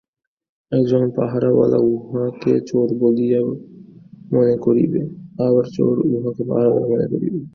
একজন পাহারাওয়ালা উহাকে চোর বলিয়া মনে করিবে, আবার চোর উহাকে পাহারাওয়ালা মনে করিবে।